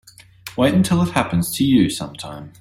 Wait until it happens to you sometime.